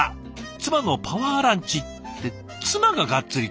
「妻のパワーランチ」って妻がガッツリ系？